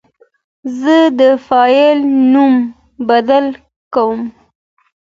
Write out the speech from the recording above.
زه د فایل نوم بدل کوم.